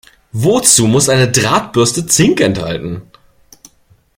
Wozu muss eine Drahtbürste Zink enthalten?